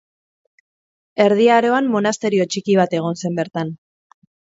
Erdi Aroan monasterio txiki bat egon zen bertan.